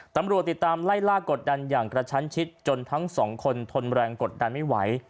ตำรวจติดตามไล่ล่ากดดันอย่างกระชั้นชิดจนทั้งสองคนทนแรงกดดันไม่ไหว